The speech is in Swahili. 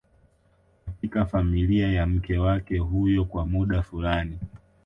katika familia ya mke wake huyo kwa muda fulani